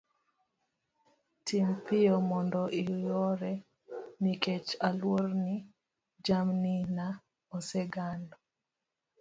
tim piyo mondo iore nikech aluor ni jamni na oseng'ado